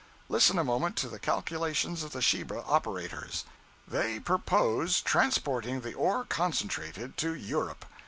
Listen a moment to the calculations of the Sheba operators. They purpose transporting the ore concentrated to Europe.